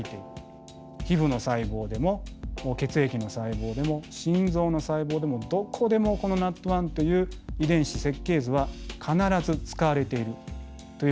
皮ふの細胞でも血液の細胞でも心臓の細胞でもどこでもこのＮＡＴ１という遺伝子設計図は必ず使われているということが分かりました。